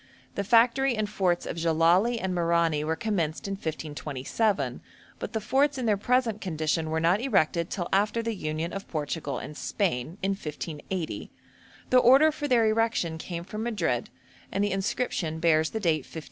The factory and forts of Jellali and Merani were commenced in 1527, but the forts in their present condition were not erected till after the union of Portugal and Spain, in 1580; the order for their erection came from Madrid, and the inscription bears the date 1588.